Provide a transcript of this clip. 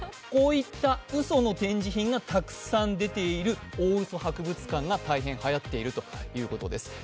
こういったうその展示品がたくさん出ている大嘘博物館が大変はやっているということです。